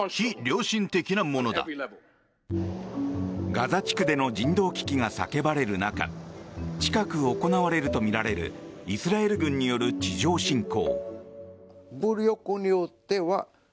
ガザ地区での人道危機が叫ばれる中近く行われるとみられるイスラエル軍による地上侵攻。